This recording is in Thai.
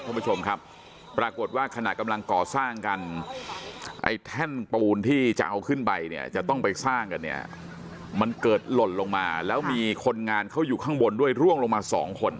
ท่านผู้ชมครับปรากฏว่าขณะกำลังก่อสร้างกันไอ้แท่นปูนที่จะเอาขึ้นไปเนี่ยจะต้องไปสร้างกันเนี่ยมันเกิดหล่นลงมาแล้วมีคนงานเขาอยู่ข้างบนด้วยร่วงลงมาสองคน